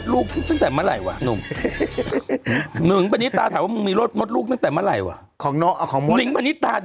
รูปนี้ใช่ไหมนี่